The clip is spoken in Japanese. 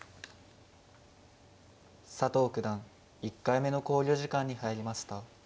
佐藤九段１回目の考慮時間に入りました。